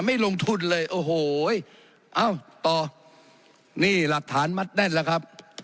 ไม่ลงทุนเลยโอ้โหเอ้าต่อนี่หลักฐานมัดแน่นแล้วครับ